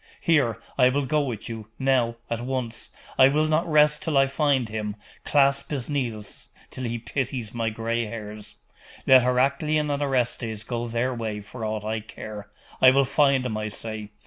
Here, I will go with you now at once I will not rest till I find hint, clasp his knees till he pities my gray hairs! Let Heraclian and Orestes go their way for aught I care I will find him, I say.